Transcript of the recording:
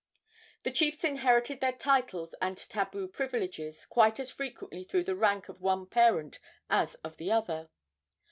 The chiefs inherited their titles and tabu privileges quite as frequently through the rank of one parent as of the other.